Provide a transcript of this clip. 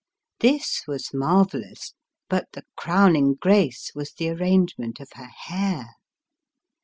This was marvellous, but the crowning grace was the arrangement of her hair.